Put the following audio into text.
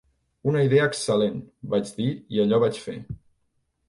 "Una idea excel·lent", vaig dir i allò vaig fer.